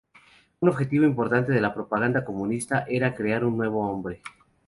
Un objetivo importante de la propaganda comunista era crear un nuevo hombre.